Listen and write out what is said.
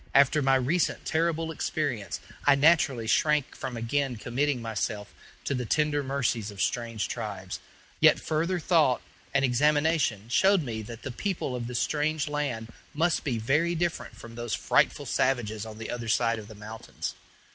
After my recent terrible experience I naturally shrank from again committing myself to the tender mercies of strange tribes; yet further thought and examination showed me that the people of this strange land must be very different from those frightful savages on the other side of the mountains.